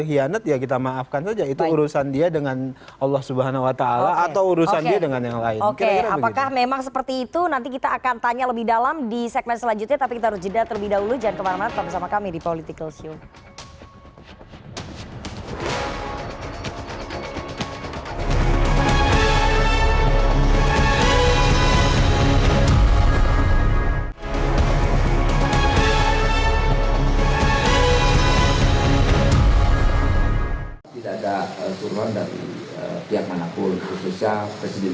itu hanya sebagai backup